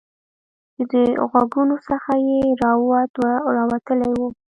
چې د غوږونو څخه یې روات راوتلي وو